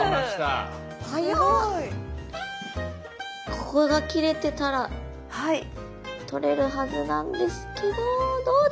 ここが切れてたら取れるはずなんですけどどうだ。